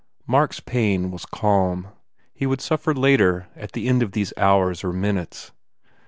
Mark s pain was calm. He would suffer later, at the end of these hours or minutes.